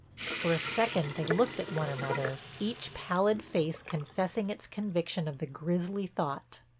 For a second they looked at one another, each pallid face confessing its conviction of the grisly thought.